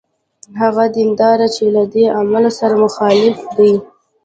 هغه دینداره چې له دې اعمالو سره مخالف دی.